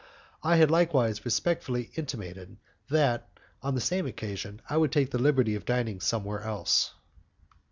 I had likewise respectfully intimated that, on the same occasion, I would take the liberty of dining somewhere else.